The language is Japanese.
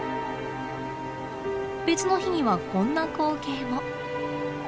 別の日にはこんな光景も。